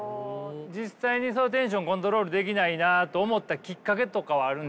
実際にそのテンションコントロールできないなって思ったきっかけとかはあるんですか？